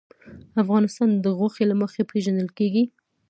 افغانستان د غوښې له مخې پېژندل کېږي.